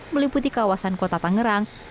meliputi kawasan kota tangerang